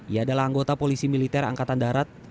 ia adalah anggota polisi militer angkatan darat